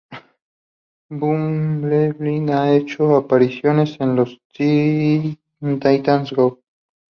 Bumblebee ha hecho apariciones en los "Teen Titans Go!